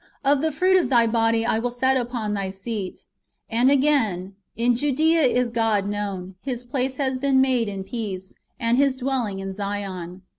Of the fruit of thy body will I set upon thy seat."^ And again :" In Judea is God known ; His place has been made in peace, and His dwelling in Zion."''